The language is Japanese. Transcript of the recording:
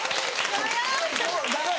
長い！